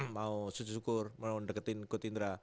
mau sujud syukur mau deketin kut indra